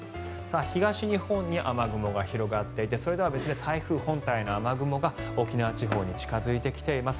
東日本に雨雲が広がっていてそれとは別で台風本体の雨雲が沖縄地方に近付いてきています。